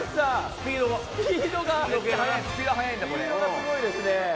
スピードがすごいですね。